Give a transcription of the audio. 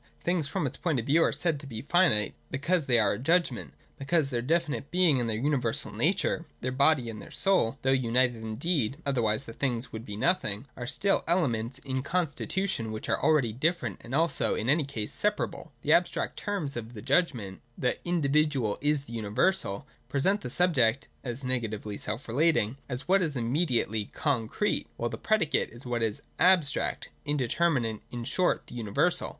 Things from its point of view are said to be finite, because they are a judgment, because their definite being and their universal nature, (their body and their soul,) though united indeed (otherwise the things would be nothing), are still elements in the constitution which are already different and also in any case separable. 169, i^o.J JUDGMENT. 301 169.] The abstract terms of the judgment, ' The in dividual is the universal,* present the subject (as nega tively self relating) as what is immediately concrete, while the predicate is what is abstract, indeterminate, in short, the universal.